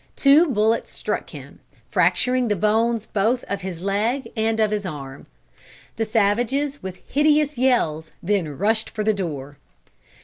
Two bullets struck him, fracturing the bones both of his leg and of his arm. The savages, with hideous yells, then rushed for the door.